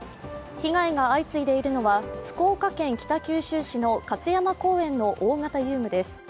被害が相次いでいるのは福岡県北九州市の勝山公園の大型遊具です。